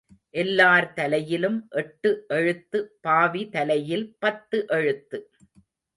எல்லார் தலையிலும் எட்டு எழுத்து பாவி தலையில் பத்து எழுத்து.